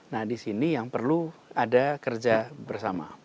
nah di sini yang perlu ada kerja bersama